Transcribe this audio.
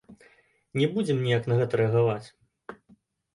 Не будзем ніяк на гэта рэагаваць.